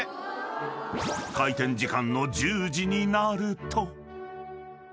［開店時間の１０時になると］